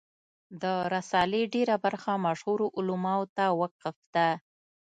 د رسالې ډېره برخه مشهورو علماوو ته وقف ده.